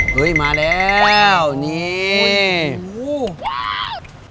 เฮ้ยมาแล้วนี่ทุกคนโอ้โห